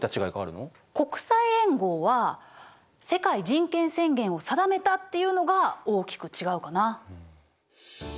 国際連合は世界人権宣言を定めたっていうのが大きく違うかな。